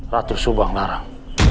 ratu subang larang